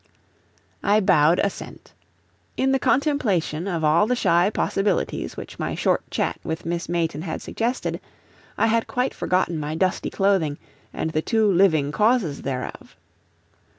I bowed assent. In the contemplation of all the shy possibilities which my short chat with Miss Mayton had suggested, I had quite forgotten my dusty clothing and the two living causes thereof.